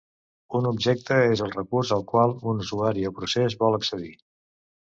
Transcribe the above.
Un objecte és el recurs al qual un usuari o procés vol accedir.